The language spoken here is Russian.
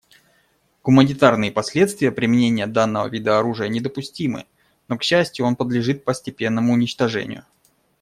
Гуманитарные последствия применения данного вида оружия недопустимы, но, к счастью, он подлежит постепенному уничтожению.